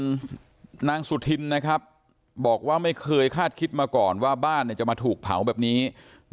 ส่วนนางสุธินนะครับบอกว่าไม่เคยคาดคิดมาก่อนว่าบ้านเนี่ยจะมาถูกภารกิจนะครับ